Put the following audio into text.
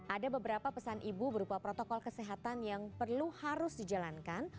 ada beberapa pesan ibu berupa protokol kesehatan yang perlu harus dijalankan